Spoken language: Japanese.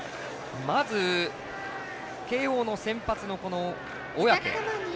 まず慶応の先発の小宅。